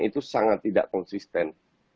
itu sangat tidak konsisten